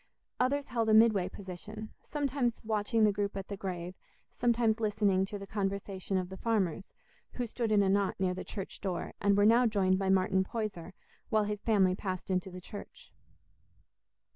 Others held a midway position, sometimes watching the group at the grave, sometimes listening to the conversation of the farmers, who stood in a knot near the church door, and were now joined by Martin Poyser, while his family passed into the church.